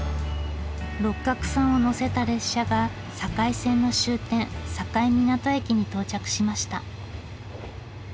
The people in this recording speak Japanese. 六角さんを乗せた列車が境線の終点境港駅に到着しました。